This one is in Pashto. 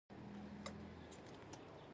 په سختیو کې صبر کوه، الله صابرین خوښوي.